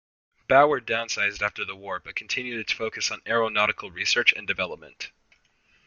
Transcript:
BuAer downsized after the war, but continued its focus on aeronautical research and development.